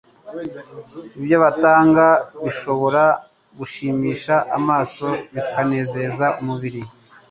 Ibyo batanga bishobora gushimisha amaso, bikanezeza umubiri,